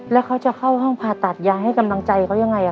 แล้วเขาจะเข้าห้องผ่าตัดยายให้กำลังใจเขายังไง